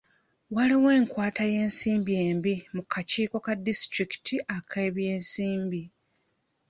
Waliwo enkwata y'ensimbi embi mu kakiiko ka disitulikiti ak'ebyensimbi.